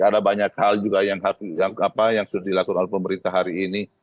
ada banyak hal juga yang sudah dilakukan oleh pemerintah hari ini